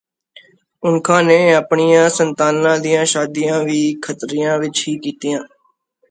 ਉਨਖ਼ਾਂ ਨੇ ਆਪਣੀਆਂ ਸੰਤਾਨਾਂ ਦੀਆਂ ਸ਼ਾਦੀਆਂ ਵੀ ਖੱਤਰੀਆਂ ਵਿਚ ਹੀ ਕੀਤੀਆਂ